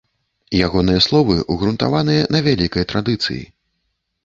Ягоныя словы ўгрунтаваныя на вялікай традыцыі.